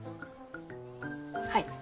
はい。